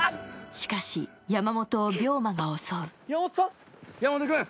しかし、山本を病魔が襲う。